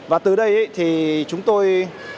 và từ đây thì chúng tôi